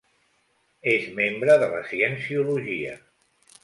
És membre de la cienciologia.